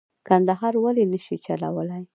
کندهار ولې نه شي چلولای.